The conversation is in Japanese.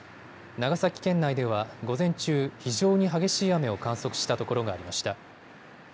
長崎県内では午前中、非常に激しい雨を観測した所がありました。